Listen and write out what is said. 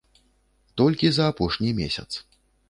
Толькі за апошні месяц.